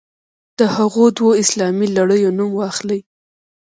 د هغو دوو اسلامي لړیو نوم واخلئ.